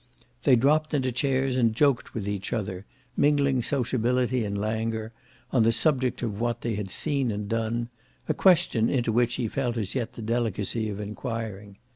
They dropped into chairs and joked with each other, mingling sociability and languor, on the subject of what they had seen and done a question into which he felt as yet the delicacy of enquiring.